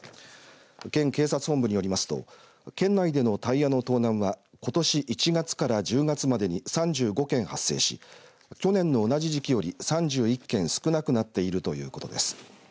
県警察本部によりますと県内でのタイヤの盗難はことし１月から１０月までに３５件発生し去年の同じ時期より３１件少なくなっているということです。